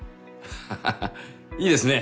ハハハいいですね」